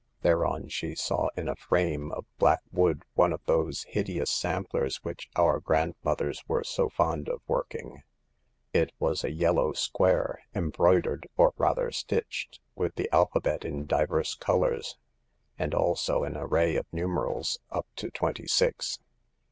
Thereon she saw in a frame of black wood one of those hideous samplers which our grand mothers were so fond of working. It was a yel low square, embroidered — or rather stitched — with the alphabet in divers colors, and also an array of numerals up to twenty six.